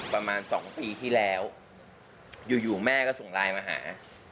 ประมาณ๒ปีที่แล้วอยู่แม่ก็ส่งไลน์มาหา